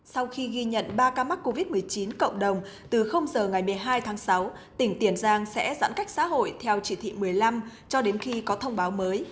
sau khi ghi nhận ba ca mắc covid một mươi chín cộng đồng từ giờ ngày một mươi hai tháng sáu tỉnh tiền giang sẽ giãn cách xã hội theo chỉ thị một mươi năm cho đến khi có thông báo mới